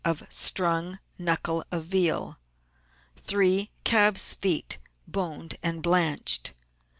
of strung knuckle of veal. 3 calf's feet, boned and blanched.